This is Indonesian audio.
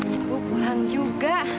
ibu pulang juga